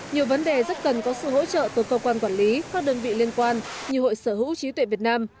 nhiều vấn đề rất cần có sự hỗ trợ từ cơ quan quản lý các đơn vị liên quan như hội sở hữu trí tuệ việt nam